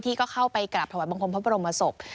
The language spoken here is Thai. ก็เข้าไปกราบถวายบังคมพระบรมศพ